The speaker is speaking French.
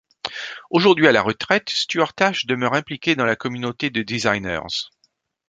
Aujourd’hui à la retraite, Stuart Ash demeure impliqué dans la communauté de designers.